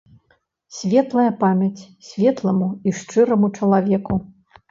Светлая памяць светламу і шчыраму чалавеку.